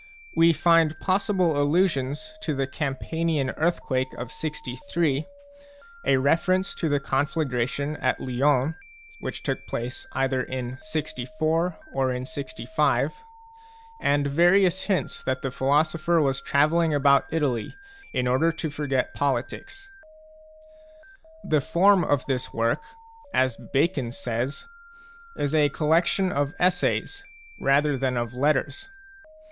We find possible allusions ix Digitized by INTRODUCTION to the Campanian earthquake of 63, a reference to the conflagration at Lyons, which took place either in 64 or in 65, and various hints that the philosopher was travelling about Italy in order to forget politics. The form of this work, as Bacon says, is a col lection of essays rather than of letters.